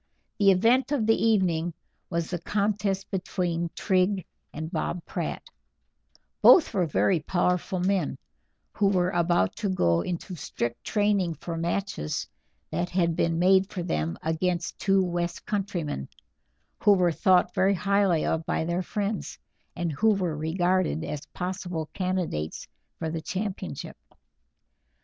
The event of the evening was the contest between Tring and Bob Pratt; both were very powerful men, who were about to go into strict training for matches that had been made for them against two west countrymen, who were thought very highly of by their friends, and who were regarded as possible candidates for the championship.